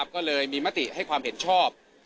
ก็เลยมีมติให้ความเห็นชอบ